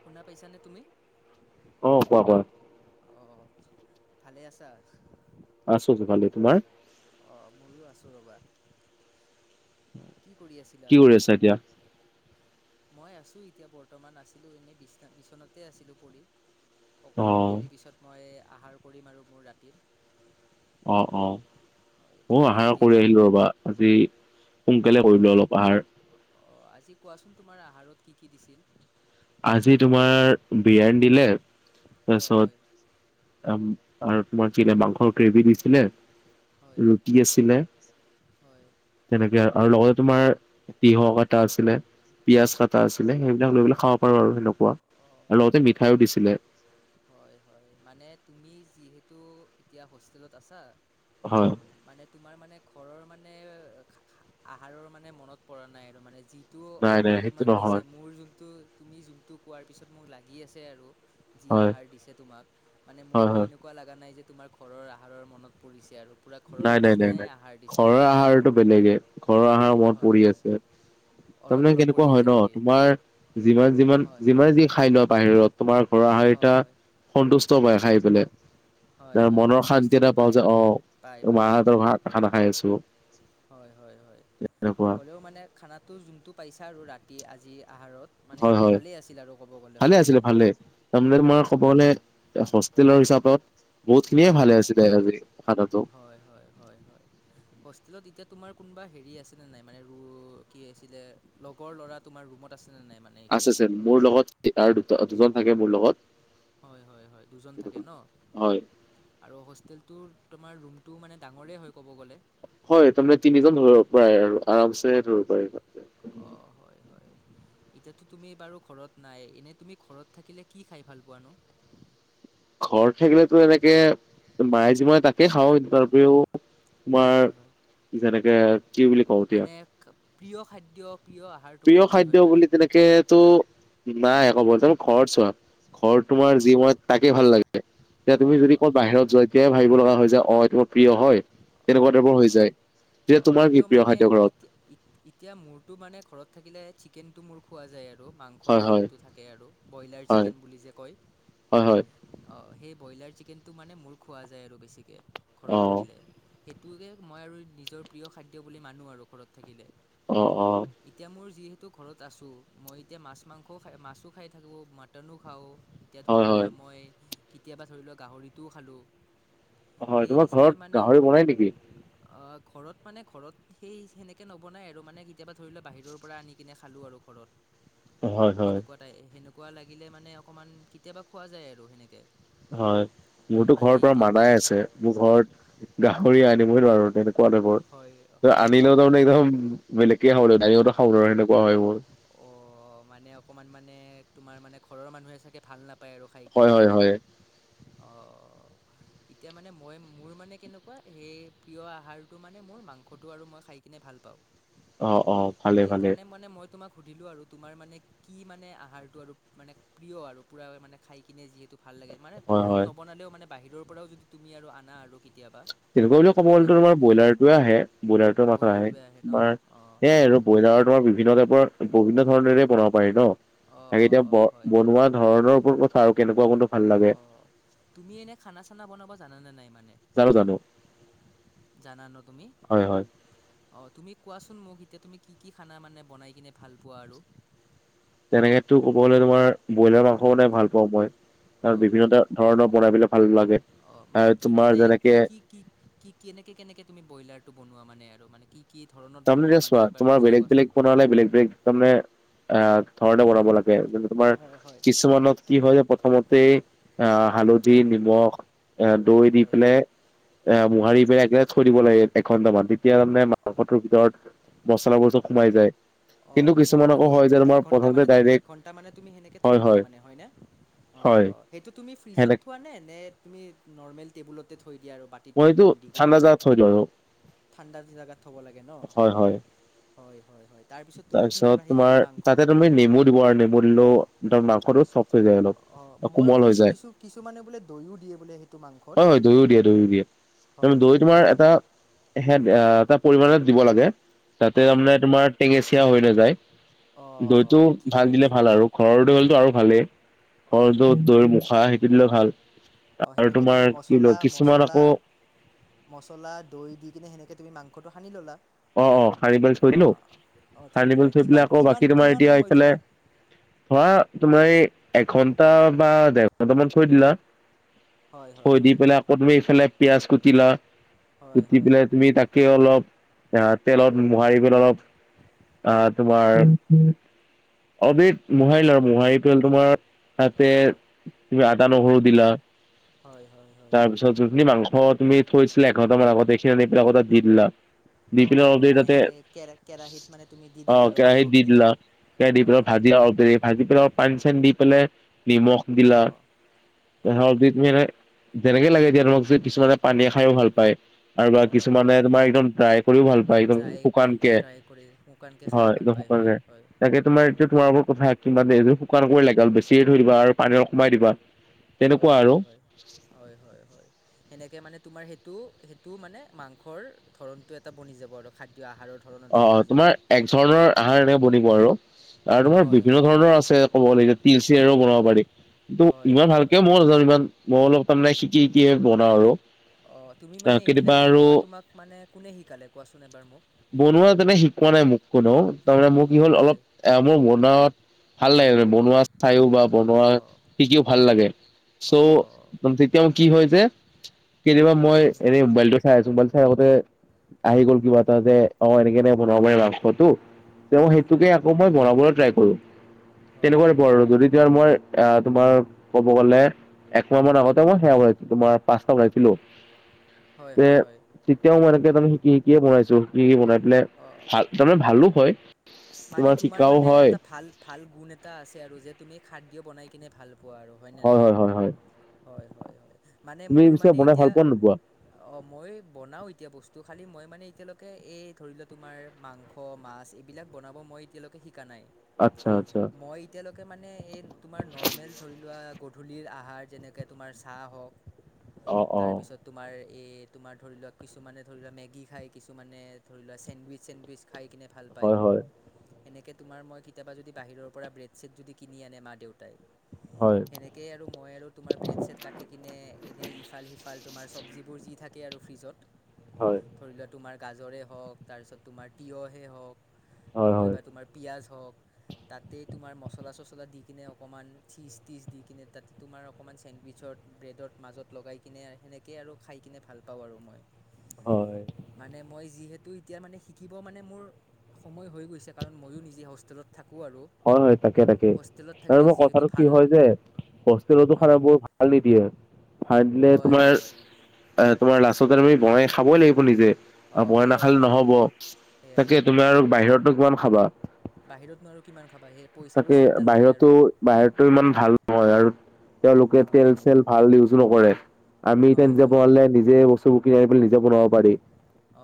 শুনা পাইছানে তুমি? অ কোৱা কোৱা। অঁ ভালে আছা? আছো, ভালেই তোমাৰ? অঁ মইও আছোঁ ৰ'বা। কি কৰি আছিলা? কি কৰি আছা এতিয়া মই আছোঁ এতিয়া বৰ্তমান, আছিলোঁ এনেই বিচনা বিচনাতে আছিলোঁ পৰি। অ অলপ দেৰি পিছত, মই আহাৰ কৰিম আৰু মোৰ ৰাতিৰ। অ অ। হয় অ তুমি কি আহাৰ কৰি আছিলা? আহিলো ৰ'বা, আজি সোনকালে অঁ কৰিলো অলপ আহাৰ। অঁ আজি কোৱাচোন তোমাৰ আহাৰত কি কি দিছিল? আজি তোমাৰ বিৰীয়ানি দিলে, অঁ হয় তাৰপিছত আৰু তোমাৰ কি দিলে, মাংসৰ গ্ৰেভি দিছিলে, হয় ৰুটি আছিলে হয় তেনেকে আৰু লগতে তোমাৰ, তিয়হ কটা আছিলে, পিয়াজ কটা আছিলে, সেইবিলাক লৈ পেলাই খাওঁ পাৰো আৰু সেনেকুৱা অঁ আৰু লগতে মিঠাইও দিছিলে। হয় হয়, মানে তুমি যিহেতু এতিয়া হোষ্টেলত আছা। হয়। মানে তোমাৰ মানে ঘৰৰ মানে আ আহাৰৰ মানে মনত পৰা নাই। আৰু মানে যি টো নাই নাই আহাৰ সেইটো তোমাক নহয় দিছে‌। মোৰ যোনটো তুমি যোনটো কোৱাৰ পিছত মোক লাগি আছে আৰু। যি হয় আহাৰ দিছে তোমাক মানে হয় মোৰটো হয় এনেকুৱা লগা নাই যে, তোমাৰ ঘৰৰ আহাৰৰ মনত পৰিছে আৰু। পূৰা ঘৰৰ নিচিনাই আহাৰ দিছে আৰু। ত বেলেগে ঘৰৰ আহাৰ মত হয় পৰি হয় আছে। অলপ তাৰমানে অলপ কেনেকুৱা পৰি হয় আছে ন। নেকি তোমাৰ যিমান যিমান হয় হয় যিমানে যি খাই লোৱা বাহিৰত তোমাৰ, ঘৰৰ অহাৰ হয় টা হয় সন্তুষ্ট পাই খাই পেলাই, হয় [unintelligible] হয় হয় মনৰ শান্তি এটা সন্তুষ্টিটো পাও, পায় যে অঁ অ পায় মা পায় অঁ হতৰ খানা খাই আছো। হয় হয় হয়। এনেকুৱা হ'লেও মানে, খানাটো যোনটো পাইছা আৰু ৰাতিৰ আজি আহাৰত। মানে হয় সেইটো হয় ভালেই আছিল আৰু ক'ব গ'লে ভালে হয়নে আছিলে নাই। ভালে তাৰমানে তোমাৰ অঁ, ক'ব গ'লে হোষ্টেলৰ হিচাপত বহুত খিনিয়ে হয় ভালে হয়, আছিলে আজি খানাটো হয় হয় হয় হয়। হোষ্টেলত এতিয়া তোমাৰ কোনোবা হেৰি আছেনে নাই মানে ৰো কি আছিলে লগৰ ল'ৰা- তোমাৰ ৰুমত আছে নে নাই মানে। এতিয়া আছে আছে মোৰ লগত আৰু দুটা দুজন থাকে মোৰ লগত। হয় হয় হয়, দুজন থাকে ন। হয় আৰু হোষ্টেলটোৰ তোমাৰ ৰুমটো মানে ডাঙৰেই হয় ক'ব গ'লে। হয় তাৰমানে তিনিজন ধৰিব পাৰে আৰু আৰামছে ধৰিব পাৰিব। অ হয় হয়, এতিয়াতো তুমি বাৰু ঘৰত নাই এনে তুমি ঘৰত- থাকিলে কি খাই ভাল পোৱা নো? ঘৰত থাকিলেতো এনেকে মায়ে জি বনাই তাকে খাওঁ, তাৰ উপৰিও- তোমাৰ হয় হয় যেনেকে কি বুলি- কওঁ এতিয়া মানে প্ৰিয় খাদ্য প্ৰিয় আহাৰ তোমাৰ কি হয় মানে? কেতো নাই কব, এতিয়া মোৰ ঘৰত চোৱা ঘৰত অঁ তোমাৰ যি হয় বনাই তাকে ভাল লাগে- এতিয়া তুমি যদি হয় ক'ৰবাত হয় বাহিৰত হয় যোৱা তেতিয়া ভাবিব লগা হয় যাই অঁ এইটো- প্ৰিয় হয় তেনেকুৱা অঁ টাইপৰ হয় হৈ হয় যায়, অ এতিয়া তোমাৰ কি হ'লেও প্ৰিয় মানে খাদ্যৰ ঘৰত? এতিয়া ইত- এতিয়া মোৰটো মানে ঘৰত থাকিলে চিকেনটো মোৰ- খোৱা যায় আৰু হয় মাংসটো হয় যোনটো থাকে আৰু ব্ৰইলাৰ হয় চিকেন বুলি যে কয়। হয় হয় অ সেই ব্ৰইলাৰ চিকেনটো মানে মোৰ খোৱা যায় আৰু বেছিকে অ ঘৰত থাকিলে। সেইটোকে মই আৰু নিজৰ প্ৰিয় খাদ্য বুলি মানো আৰু ঘৰত থাকিলে। অঁ অঁ' এতিয়া মোৰ যিহেতু ঘৰত আছোঁ মই এতিয়া মাছ মাংসও খাই মাছো খাই থাকোঁ মাটনো খাওঁ। এতিয়া হয় ধৰি হয় লোৱা মই কেতিয়াবা ধৰি লোৱা গাহৰিটোও খালোঁ- অ হয়, সেই তোমাৰ হিচাপে ঘৰত মানে গাহৰি বনাই নেকি। অ' ঘৰত মানে ঘৰত সেই সেনেকে নবনাই আৰু মানে কেতিয়াবা ধৰি লোৱা বাহিৰৰ পৰা আনি কিনে খালো আৰু- ঘৰত। হয় হয়। তাই সেনেকুৱা লাগিলে মানে অকমান কেতিয়াবা খোৱা যায় আৰু সেনেকে। হয়, মোৰতো মানে ঘৰৰ পৰা এতিয়া মানাই আছে। মোৰ ঘৰত গাহৰি আনিবই নোৱাৰু তেনেকুৱা টাইপৰ হয় ত হয় ন আনিলেও তাৰমানে- একদম বেলেগকে খাব লাগিব দ্ৰাইনিংতে খাব নোৱাৰু তেনেকুৱা হয় মোৰ। অ' মানে অকমান মানে তোমাৰ মানে ঘৰৰ মানুহে চাগে ভাল নাপ- পায় আৰু খাই কিনে হয় হয় হয়নে? হয় অ অ' এতিয়া মানে মই মোৰ মানে কেনেকুৱা সেই প্ৰিয় আহাৰটো মানে মোৰ মাংসটো আৰু মই খাই- কিনে ভাল পাওঁ। অ অ ভালে ভালে সেইকাৰনে মানে মই- তোমাক সুধিলো আৰু তোমাৰ মানে কি মানে আহাৰটো আৰু মানে প্ৰিয় আৰু পুৰা মানে খাই- কিনে যিহেতু ভাল লাগে মানে হয় হয় ঘৰত নবনালেও মানে বাহিৰৰ পৰাও যদি তুমি আৰু আনা আৰু কেতিয়াবা। তেনেকুৱা বুলি ক'ব মানে গ'লেটো তোমাৰ সেনেকে ব্ৰইলাৰটোয়ে আহে ব্ৰইলাৰটো মাত্ৰ আহে ব্ৰইলাৰটোৱে ন তোমাৰ অঁ সেয়াই আৰু। অঁ ব্ৰইলাৰৰ তোমাৰ বিভিন্ন টাইপৰ বিভিন্ন ধৰণেৰে- বনাব পাৰি ন। অঁ তাকে অঁ এতিয়া অঁ ব হয় বনোৱা ধৰণৰ ওপৰত কথা আৰু কেনেকুৱা কোনটো ভাল লাগে। অঁ তুমি এনেই খানা চানা বনাব জানা নে নাই মানে? জানো জানো। জানা ন তুমি? হয় হয় অঁ তুমি কোৱাচোন মোক এতিয়া তুমি কি কি খানা মানে বনাই কিনে ভাল পোৱা আৰু? তেনেকেতো ক'ব গলে তোমাৰ ব্ৰইলাৰ মাংস বনাই ভাল পাওঁ মই। আৰু হয় বিভিন্নটা- ধৰণৰ বনাই পেলাই ভাল লাগে। অঁ মানে আৰু কি কি তোমাৰ টাই যেনেকে কি কি কি কি কেনেকে, কেনেকে তুমি ব্ৰইলাৰটো বনোৱা মানে আৰু মানে কি কি ধৰণত বনোৱা তাৰমানে মানে ছোৱা এবাৰ তোমাৰ বুজাই বেলেগ কোৱাচোন। বেলেগ প্ৰণালীৰে বেলেগ বেলেগ তাৰমানে আ ঘৰতে বনাব লাগে যেনে তোমাৰ অ', হয়, কিছুমানত কি হয় যে, প্ৰথমতে আ হালধি, নিমখ, এ দৈ দি হয়, পেলাই, এ মোহাৰি হয়। পেলাই একে থৈ দিব লাগে এঘন্টামান, তেতিয়া তাৰমানে মাংসটোৰ ভিতৰত মছলাবোৰ চব সোমাই যায়। অ কিন্তু সেনেকে কিছুমান আকৌ তুমি হয় যে এক তোমাৰ ঘণ্টা প্ৰথমতে মানে, এক ডাইৰেক্ট ঘণ্টা মানে তুমি সেনেকে হয় থৈ দিয়া হয় মানে, হয়নে? অ হয় সেইটো তুমি ফ্ৰিজত সেনে থোৱা নে? নে তুমি নৰ্মেল টেবুলতে থৈ দিয়া আৰু বা [unintelligible] টিত মইতো ঢাকন দি কিনে, ঠাণ্ডা জাগাত থৈ দিওঁ আৰু ঠাণ্ডা জেগাত থ'ব লাগে ন? হয় হয় হয়, হয় হয়। তাৰপিছত তুমি কি তাৰপিছত কৰা সেইখিনি তোমাৰ মাংস? তাতে তুমি নেমু দিব পাৰা, নেমু দিলেও মাংসটো চফ্ট হৈ যায় অলপ অ, মই কোমল হৈ শুনিছো যায় কিছু কিছুমানে বোলে দৈও দিয়ে বোলে সে [unintelligible] হয় হয় দৈও দিয়ে, দৈও দিয়ে। হয়, দৈ হয়, তোমাৰ হয়, হয়, এটা সেয়াত, এটা পৰিমাণত দিব লাগে। যাতে হয়, তাৰমানে হয়, হয়। তোমাৰ টেঙেচিয়া হৈ নাযায়, দৈটো অঁ ঠিকে ভাল দিলে আছে ভাল আৰু ঘৰৰ দৈ হ'লেটো আৰু ভালেই, হয় ঘৰৰটো হয় দৈৰ মুখা, সেইটো দিলে ভাল। অঁ আৰু সেনেকে তোমাৰ তুমি কি মছলা, কিছুমান মছলা, আকৌ মছলা, দৈ দি কিনে সেনেকে তুমি মাংসটো সানি ল'লা। অ, অ, সানি পেলাই থৈ অ দিলো, অ সানি পেলাই দিলা থৈ পেলাই কিমান আকৌ কিমান বাকী তোমাৰ কিমান এতিয়া সময় এইফালে থোৱা ধৰা, তোমাৰ এই এঘন্টা বা ডেৰঘন্টামান থৈ দিলা। হয় হয় থৈ দি হয় পেলাই আকৌ তুমি এইফালে পিঁয়াজ কুটিলা হয় কুতি হয় পেলাই তুমি তাকেই অলপ আহ তেলত মোহাৰি পেলাই অলপ, আহ হয় তোমাৰ অলপ দেৰি মোহাৰিলা আৰু, মোহাৰি পেলাই তোমাৰ তাতে তুমি আদা, নহৰু দিলা। হয়, হয়, হয়। তাৰপিছত যোনখিনি মাংস তুমি থৈছিলা এঘন্টা মান আগতে, সেইখিনি আনি পেলাই আকৌ তাত দি দিলা। দি অঁ পেলাই অলপ অঁ দেৰি মানে তাতে, সেই কে কেৰাহীত মানে তুমি দি অ, দিলা আৰু কেৰাহীত দি মাংসখিনি দিলা। কেৰাহীত দি হয় পেলাই হয় ভাজিলা অলপ দেৰি, ভাজি পেলাই অলপ পানী চানী দি পেলাই নিমখ দিলা। অঁ হয় অলপ দেৰি তুমি এনেকে যেনেকে লাগে এতিয়া তোমাক যে, কিছুমানে পানীয়া খায়ো ভাল পায় আৰু বা অঁ অঁ কিছুমানে তোমাৰ একদম ড্ৰাই কৰিও ভাল পায় একদম ড্ৰাই শুকানকে, ড্ৰাই কৰি শুকানকৈ খায়ো হয়, ভাল একদম পায় হয় হয় শুকানকে তাকে তোমাৰ এতিয়া হয় তোমাৰ ওপৰত কথা কিমান, এইটো শুকান কৰি লাগে অলপ বেছিয়ে থৈ দিবা আৰু পানী অলপ কমাই দিবা। অঁ তেনেকুৱা হয় আৰু হয়, হয় হয় হয়। সেনেকে মানে তোমাৰ সেইটো সেইটো মানে মাংসৰ ধৰনটো এটা বনি যাব আৰু খাদ্য আহাৰৰ ধৰণ এটা অ বনি যাব। তোমাৰ এক ধৰণৰ আহাৰ এনেকে বনিব আৰু, আৰু তোমাৰ হয় বিভিন্ন হয়। ধৰণৰ আছে। ক'ব গলে এতিয়া তিলচিলেৰেও বনাব পাৰি। কিন্তু, হয় ইমান হয় ভালকে হয় মইও নাজানো ইমান মই অলপ তাৰমানে শিকি শিকিয়ে বনাওঁ আৰু। অঁ তুমি আহ মানে কেতিয়াবা এইবিলাক আৰু বনোৱা, তোমাক মানে কোনে শিকালে কোৱাচোন এবাৰ মোক। বনোৱা তেনে শিকোৱা নাই মোক কোনেও, তাৰমানে মোৰ কি হ'ল অ' অলপ হয় এ মোৰ বনোৱাত ভাল লাগে মানে বনোৱা চাইয়ো বা বনোৱা অ' শিকিও ভাল লাগে। চ', অ' তেতিয়া মোৰ কি হয় যে কেতিয়াবা মই হয় এনেই মোবাইলটো চাই আছো, মোবাইল চাই থাকোতে আহি গ'ল কিবা এটা যে, অ এনেকে, এনেকে বনাব পাৰি মাংসটো। তেওঁ হয় হয় সেইটোকে আকৌ মই বনাবলৈ ট্ৰাই কৰো, হয় তেনেকুৱা টাইপৰ হয় আৰু যদি এতিয়া মই এ তোমাৰ ক'ব গলে এক মাহমান আগতে মই [unintelligible] হয় তে হয় হয়। তেতিয়াও মই এনেকে তাৰমানে শিকি শিকিয়ে বনাইছো শিকি শিকি বনাই পেলাই অ' ভাল তাৰমানে ভালো হয়। মানে তোমাৰ শিকাও মানে হয় এটা ভাল ভাল গুণ এটা আছে আৰু যে তুমি খাদ্য বনাই কিনে ভাল পোৱা আৰু হয়নে হয় নাই? হয় হয় হয় হয় হয় হয় মানে তুমি মোৰ পিছে মানে বনাই এতিয়া ভাল পোৱা নোপোৱা অ', মই বনাওঁ এতিয়া বস্তু খালী মই মানে এতিয়ালৈকে এই ধৰি লোৱা তোমাৰ মাংস স মাছ এইবিলাক বনাব মই এতিয়ালৈকে শিকা নাই। আচ্ছা আচ্ছা। মই এতিয়ালৈকে মানে এই তোমাৰ নৰ্মেল ধৰি লোৱা, গধূলিৰ আহাৰ যেনেকে তোমাৰ চাহ হওক [inaudible] অ তাৰপিছত তোমাৰ এই তোমাৰ ধৰি লোৱা, কিছুমানে ধৰি লোৱা মেগী খায়, কিছুমানে ধৰি লোৱা চেণ্ডউইচ -চেণ্ডউইচ খাই কিনে ভাল হয় পায়। হয় এনেকে তোমাৰ মই কেতিয়াবা যদি বাহিৰৰ পৰা ব্ৰেড - চ্ৰেড যদি কিনি আনে মা - দেউতাই। হয়। এনেকেই আৰু মই আৰু তোমাৰ ব্ৰেড - চ্ৰেড কাটি কিনে এনেই ইফাল - সিফাল তোমাৰ চব্জিবোৰ যি থাকে আৰু ফ্ৰিজত। হয়। ধৰি লোৱা তোমাৰ গাজৰে হওক তাৰপিছত তোমাৰ তিয়হে হওঁক নহয় হয় বা তোমাৰ পিঁয়াজ হওক তাতে তোমাৰ মছলা - চছলা দি কিনে অকণমান চিজ - তিজ দি কিনে তাতে তোমাৰ অকণমান চেণ্ডউইচৰ- ব্ৰেডত মাজত লগাই কিনে আ সেনেকেই আৰু খাই কিনে ভাল পাওঁ আৰু মই। হয়। মানে মই যিহেতু এতিয়া মানে শিকিব মানে মোৰ সময় হৈ গৈছে কাৰণ মইয়ো নিজে হোষ্টেলত থাকোঁ আৰু। হয় হয় তাকে তাকে হোষ্টেলত আৰু থাকিলে মই যিহেতু কথাটো কি ভাল হয় যে হষ্টেলতো হয় খানাবোৰ ভাল নিদিয়ে, [unintelligible] দিলে হয় তোমাৰ হয় হয় আ তোমাৰ লাষ্টতে তুমি বনাই খাবই লাগিব নিজে। আৰু অঁ বনাই সেয়াই নাখালে সেয়াই নহব সেয়াই তাকে তুমি সেয়াই আৰু বাহিৰতনো কিমান খাবা? বাহিৰতনো আৰু কিমান খাবা সে তাকে বাহিৰটো বাহিৰটো ইমান ভাল নহয় আৰু। তেওঁলোকে হয় তেল - হয় চেল হয় ভাল ইউজ নকৰে, আমি এতিয়া হয় নিজে হয় পৰা হলে নিজে বস্তুবোৰ কিনা পেলি নিজে বনাব পাৰি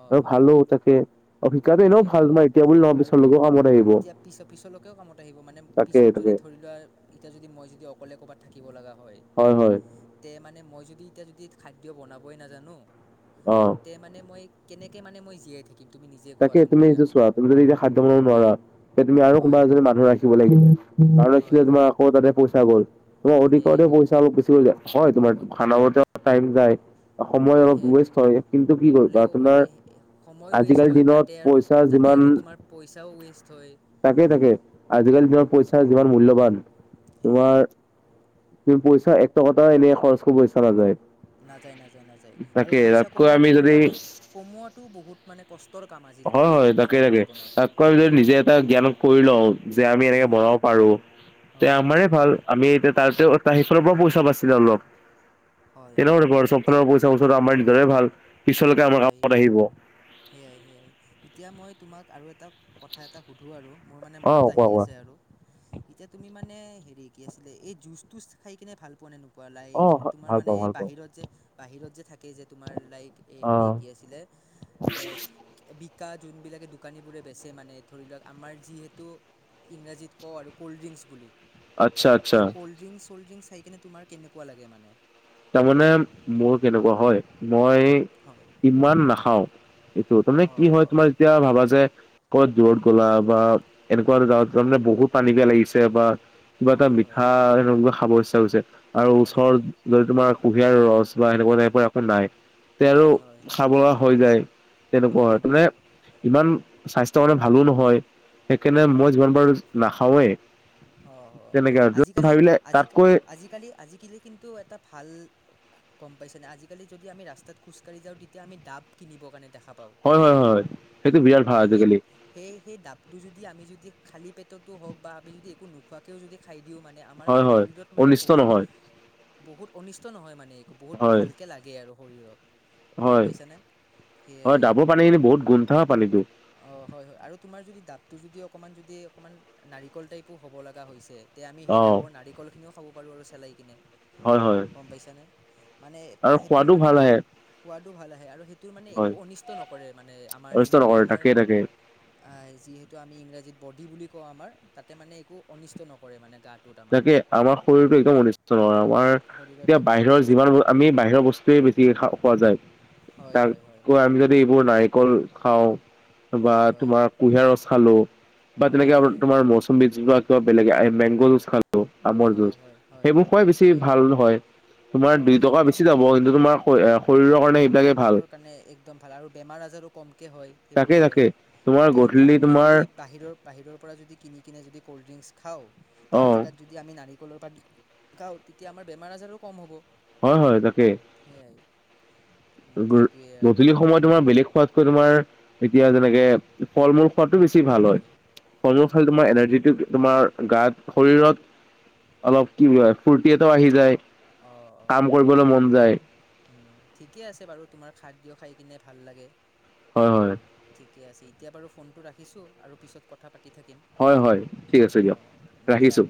অঁ আৰু হয় ভালো তাকে। অ' শিকাটো এনেও সেয়াই ভাল, তোমাৰ এতিয়া বুলি নহয় আৰু পিছৰলৈকেও কামত আহিব। এতিয়া পিছ পিছলৈকেও কামত আহিব মানে তাকে পিছত যদি তাকে ধৰি লোৱা এতিয়া যদি মই যদি অকলে ক'ৰবাত থাকিব লগা হয়। হয় হয়। তে মানে মই যদি এতিয়া যদি খাদ্য বনাবই নাজানো অ'। তে মানে মই কেনেকে মানে মই জীয়াই থাকিম তুমি নিজে তাকে ক'বাচোন তুমি এতিয়া এইটো চোৱা, তুমি যদি এতিয়া খাদ্য বনাব নোৱাৰা তে তুমি আৰু কোনবা হয় এজনী মানুহ ৰাখিব লাগিব। আৰু ৰাখিলে হয় তোমাৰ হয় আকৌ তাতে পইচা গ'ল, তোমাৰ [unintelligible] সেয়াইটো পইচা অলপ বেছি কৰি যায়। হয় তোমাৰ অ' খানা [unintelligible] টাইম যায়, সময় অলপ সেয়াইটো ৱেষ্ট হয় কিন্তু কি কৰিবা হ'লেও তোমাৰ মানে সময় ৱেষ্ট আজিকালিৰ হয় দিনত তাতে আৰু পইচা তাতে যিমান আৰু তোমাৰ পইচাও ৱেষ্ট হয়। তাকে তাকে, আজিকালি উম তোমাৰ পইচা যিমান মূল্যবান, সেয়াই তোমাৰ তুমি পইচা এক টকা এটাও এনে খৰচ কৰিব ইচ্ছা নাযায়। নাযায়, নাযায় নাযায় আৰু তাকে পইচা তাতকৈ কমোৱাত আমি যদি কমোৱাটো কমোৱাটো বহুত মানে কষ্টৰ কাম আজিকালি নিজৰ জীৱনত। পাৰিলে নিজে এটা জ্ঞানত‌ কৰি ল ও [unintelligible] যে আমি এনেকে সেয়াই বনাব পাৰোঁ তে হয় হয় আমাৰে হয় ভাল আমি এতিয়া তাৰছে ত সেইফালৰ পৰা পইচা বাছিলে অলপ, হয় তেনে হয় হয় এতিয়া চবফালৰ পইচা বচাটো আমাৰ নিজৰে ভাল। পিছলৈকে আমাৰ হয়, কামত আহিব। অ সেয়াই, সেয়াই এতিয়া মই তোমাক আৰু এটা কথা এটা সুধোঁ আৰু মোৰ মানে মনত কোৱা আহি কোৱা আছে আৰু। এতিয়া তুমি মানে হেৰি কি আছিলে এই জুচ থুচ খাই কিনে ভাল পোৱা নে নোপোৱা? পোৱা লাইক অ তোমাৰ ভাল মানে পাওঁ এই ভাল পাওঁ বাহিৰত যে বাহিৰত যে থাকে যে তোমাৰ লাইক এই অ। হেৰি কি আছিলে বিকা যোনবিলাকে দোকানীবোৰে বেচে মানে ধৰি লওঁক আমাৰ যিহেতু ইংৰাজীত ক' আৰু ক'ল্ড ড্ৰিংকছ বুলি আচ্ছা আচ্ছা সেই কল্ড ড্ৰিংক, চল্ড ড্ৰিংক চাই কিনে তোমাৰ কেনেকুৱা লাগে মানে তাৰমানে মোৰ কেনেকুৱা হয় মই হয় ইমান নাখাও, এইটো তাৰমানে অঁ কি হয় অঁ তোমাৰ যেতিয়া ভাবা যে ক'ত দূৰত গলা বা এনেকুৱা গাঁৱত তাৰ মানে বহুত পানী পিয়াহ লাগিছে বা কিবা এটা হয় হয় মিঠা এনেকুৱা খাব ইচ্ছা হৈছে আৰু হয় হয় ওচৰত যদি তোমাৰ কুঁহিয়াৰ ৰস বা সেনেুৱা টাইপৰ একোঁ নাই তে আৰু হয় হয় খাৱা বোৱা হৈ যায় তেনেকুৱা হয় মানে ইমান স্বাস্থ্যৰ কাৰণে ভালো নহয়, সেইকাৰণে মই যিমান পাৰো নাখাওৱেই। অ', আজিকালি আজি তাতকৈ আজিকালি আজিকালি কিন্তু এটা ভাল গ'ম পাইছেনেে আজিকালি যদি আমি ৰাস্তাত খোজকাঢ়ি যাওঁ তেতিয়া আমি ডাব কিনিব কাৰণে দেখা পাওঁ। পাওঁ হয় হয়নে হয় হয় সেইটো বিৰাট ভাল হয় আজিকালি সেই সেই সেই ডাবটো যদি আমি যদি খালী পেটতো হওঁক বা আমি যদি একো খোৱাকৈও যদি খাই দিওঁ মানে আমাৰ হয় মানে হয় শৰীৰত মানে অনিষ্ট বহুত নহয় বহুত অনিষ্ট নহয় মানে, একো বহুত হয় ভালকে লাগে আৰু শৰীৰত গম হয়, পাইছানে হয় সেয়াই ডাবৰ পানীখিনি বহুত গুন থকা পানীতটো অ', হয়, হয় আৰু তোমাৰ যদি ডাবটো যদি অকণমান যদি অকণমান নাৰিকল টাইপো হ'ব লগা হৈছে তে হেই আমি অ সেই ডাবৰ নাৰিকলখিনিও খাব পাৰোঁ আৰু চেলাই কিনে হয় হয় গ'ম পাইছানে, মানে আৰু সেইটোৰ সোৱাদো মানে ভাল আহে খোৱাদও ভাল আহে আৰু সেইটো মানে হয় একো অনিষ্ট নকৰে মানে আমাৰ অনিষ্ট যোনটো নকৰে আমাৰ তাকে তাকে যিহেতু আমি ইংৰাজীত বডি বুলি কওঁ আমাৰ তাতে মানে একো অনিষ্ট নকৰে মানে গাত তাকে আমাৰ শৰীৰটো একদম অনিষ্ট নহয় আমাৰ শৰীৰত এতিয়া একদম বাহিৰৰ অনিষ্ট যিমান নকৰে আমি বাহিৰৰ বস্তুৱে বেছিকে খা খোৱা যায়। হয় হয় হয় তাতেকৈ আমি যদি এইবোৰ নাৰিকল খাওঁ বা হয় হয় তোমাৰ কুঁহিয়াৰ ৰস খালোঁ বা হয় তেনেকে সেয়াই তোমাৰ মৌচুমী যিবাক বেলেগ আৰু মেংগ' জোছ আমৰ জুজ হয় হয় হয় সেইবোৰ হয় খুৱাই বেছি হয় ভাল হয়, তোমাৰ অঁ দুই টকা একদম বেছি যাব কিন্তু তোমাৰ শৰীৰৰ কাৰণে সেইবিলাকে ভাল শৰীৰৰ কাৰণে একদম ভাল, আৰু বেমাৰ আজাৰো কমকে হয় এইবোৰ তাকে খালে। তাকে তোমাৰ এতিয়া যদি গধূলি আমি তোমাৰ যদি বাহিৰৰ বাহিৰৰ পৰা যদি কিনি কিনে যদি ক'ল্ড ড্ৰিংকছ খাওঁ তাৰ অ', জেগাত যদি আমি নাৰিকলৰ তেতিয়া আমাৰ বেমাৰ আজাৰো কম হ'ব। হয়, হয় তাকে। সেয়াই। সেইটোৱে আৰু গধূলি সময়ত তোমাৰ বেলেগ খোৱাতকৈ তোমাৰ এতিয়া যেনেকে ফল -মূল খোৱাতটো বেছি ভাল হয়। ফল- মূল হয় খালে হয় তোমাৰ এনাৰ্জিটো তোমাৰ গাত শৰীৰত অলপ কি ফূুৰ্তি এটাও আহি যায়, কাম কৰিবলৈ মন যায়। উম, ঠিকে আছে বাৰু তোমাৰ খাদ্য খাই কিনে ভাল লাগে। হয়, হয়। ঠিকে আছে এতিয়া বাৰু ফোনটো ৰাখিছোঁ আৰু পিছত কথা পাতি থাকিম। হয়, হয়, ঠিক আছে দিয়ক অঁ দিয়া ৰাখিছোঁ।